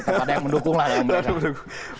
pasti ada yang mendukung lah